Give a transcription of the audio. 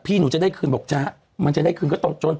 พี่หนูจะได้คืนบอกจะมันจะได้คืน